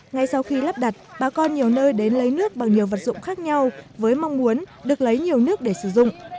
ngay sau khi lắp đặt bà con nhiều nơi đến lấy nước bằng nhiều vật dụng khác nhau với mong muốn được lấy nhiều nước để sử dụng